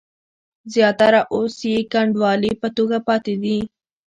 زیاتره اوس یې کنډوالې په توګه پاتې دي.